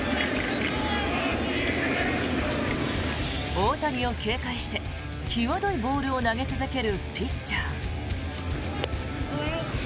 大谷を警戒してきわどいボールを投げ続けるピッチャー。